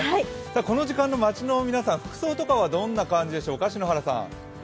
この時間の街の皆さん、服装とかはどんな感じでしょうか。